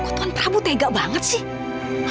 loh kok tuan prabu tega banget sih